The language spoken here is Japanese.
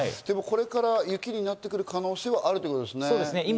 これから雪になってくる可能性はあるということですね。